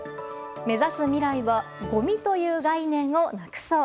目指す未来はごみという概念をなくそう。